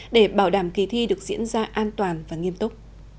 để bảo đảm kỳ thi được diễn ra an toàn và nghiêm túc